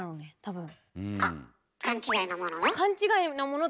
あ勘違いのもの？